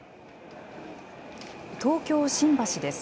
東京・新橋です。